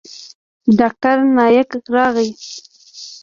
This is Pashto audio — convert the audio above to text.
ډاکتر نايک راغى.